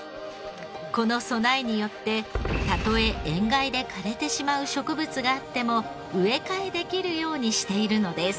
この備えによってたとえ塩害で枯れてしまう植物があっても植え替えできるようにしているのです。